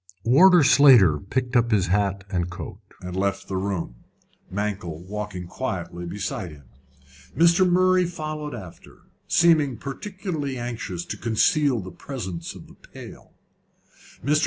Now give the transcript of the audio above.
Warder Slater picked up his hat and coat, and left the room, Mankell walking quietly beside him. Mr. Murray followed after, seeming particularly anxious to conceal the presence of the pail. Mr.